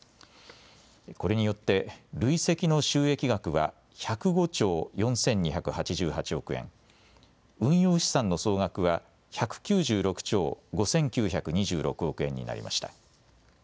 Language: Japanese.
これによって累積の収益額は１０５兆４２８８億円、運用資産の総額は１９６兆５９２６億円になりました。